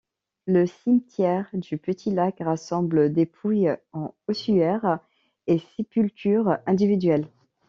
Le cimetière du Petit Lac rassemble dépouilles en ossuaire et sépultures individuelles.